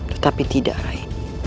tetapi tidak rai